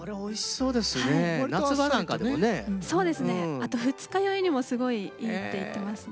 あと二日酔いにもすごいいいって言ってますね。